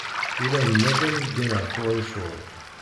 Ula d nadam yeggan ɣef uhicur.